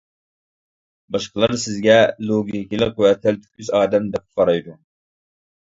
باشقىلار سىزگە «لوگىكىلىق ۋە تەلتۆكۈس ئادەم» ، دەپ قارايدۇ.